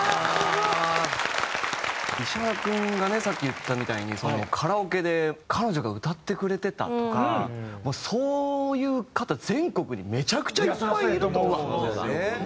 言ったみたいにカラオケで彼女が歌ってくれてたとかそういう方全国にめちゃくちゃいっぱいいると思うんですよ。